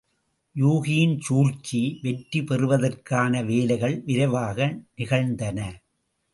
யூகியின் சூழ்ச்சி வெற்றி பெறுவதற்கான வேலைகள் விரைவாக நிகழ்ந்தன.